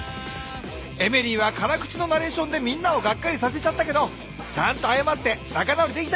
エメリーはからくちのナレーションでみんなをがっかりさせちゃったけどちゃんとあやまってなかなおりできたよね。